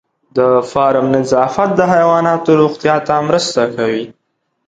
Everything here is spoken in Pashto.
د فارم نظافت د حیواناتو روغتیا ته مرسته کوي.